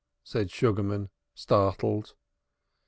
said Sugarman startled.